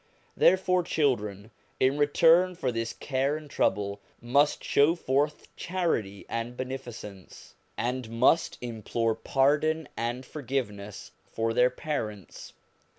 Therefore children, in return for this care and trouble, must show forth charity and beneficence, and must implore pardon and forgiveness for their parents.